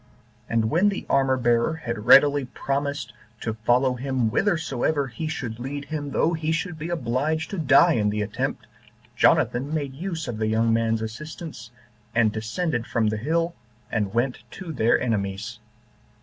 And when the armor bearer had readily promised to follow him whithersoever he should lead him, though he should be obliged to die in the attempt, Jonathan made use of the young man's assistance, and descended from the hill, and went to their enemies.